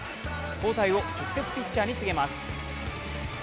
交代を直接ピッチャーに告げます。